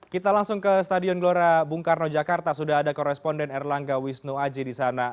kita langsung ke stadion gelora bung karno jakarta sudah ada koresponden erlangga wisnu aji di sana